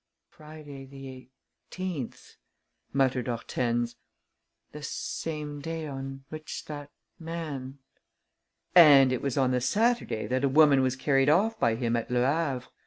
"Friday the 18th," muttered Hortense, "the same day on which that man...." "And it was on the Saturday that a woman was carried off by him at Le Havre.